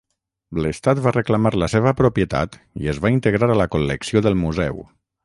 L'Estat va reclamar la seva propietat i es va integrar a la col·lecció del Museu.